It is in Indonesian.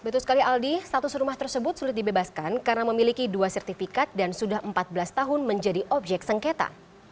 betul sekali aldi status rumah tersebut sulit dibebaskan karena memiliki dua sertifikat dan sudah empat belas tahun menjadi objek sengketa